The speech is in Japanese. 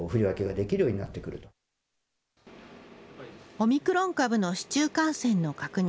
オミクロン株の市中感染の確認。